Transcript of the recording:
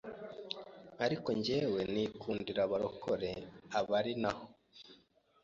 ariko njyewe nikundiraga abarokore aba ari naho